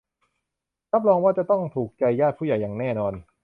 รับรองว่าจะต้องถูกใจญาติผู้ใหญ่อย่างแน่นอน